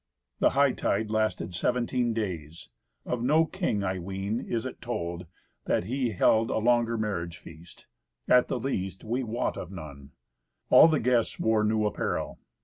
The hightide lasted seventeen days. Of no king, I ween, is it told, that he held a longer marriage feast; at the least we wot of none. All the guests wore new apparel.